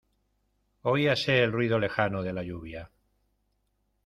Oíase el ruido lejano de la lluvia.